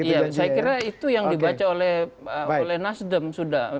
ya saya kira itu yang dibaca oleh nasdem sudah